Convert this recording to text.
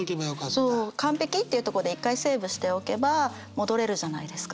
そう完璧っていうとこで１回セーブしておけば戻れるじゃないですか。